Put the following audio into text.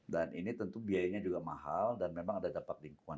dan ini tentu biayanya juga mahal dan memang ada dampak lingkungan